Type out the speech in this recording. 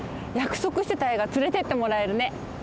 やくそくしてたえいがつれてってもらえるね。